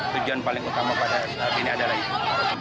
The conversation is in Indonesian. tujuan paling utama pada saat ini adalah itu